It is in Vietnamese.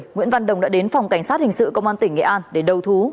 nguyễn văn đồng đã đến phòng cảnh sát hình sự công an tỉnh nghệ an để đầu thú